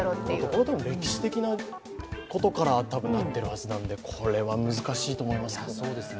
これは歴史的なことから多分なってるはずなので、これは難しいと思いますね。